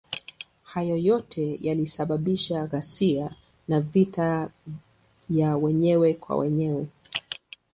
Hayo yote yalisababisha ghasia na vita ya wenyewe kwa wenyewe.